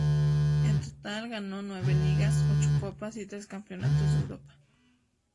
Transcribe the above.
En total, ganó nueve ligas, ocho copas y tres campeonatos de Europa.